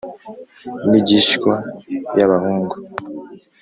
n'injyishywa y'abahungu